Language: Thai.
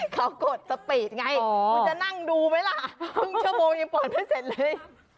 เขากดสปีดไงอ๋อมึงจะนั่งดูไหมล่ะเพิ่งเช้าโมงยังปล่อยไม่เสร็จเลย